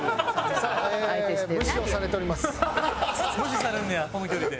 無視されんのやこの距離で。